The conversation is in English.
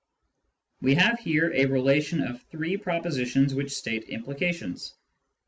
We have here a relation of three propositions which state implications.